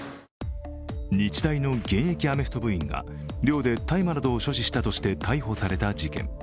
日大の現役アメフト部員が寮で大麻などを所持したとして逮捕された事件。